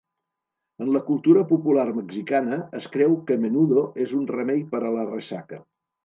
En la cultura popular mexicana, es creu que Menudo és un remei per a la ressaca.